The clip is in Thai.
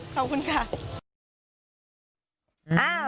ขอบคุณค่ะ